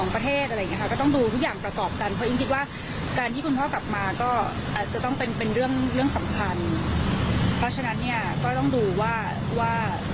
เพราะฉะนั้นก็ต้องดูว่า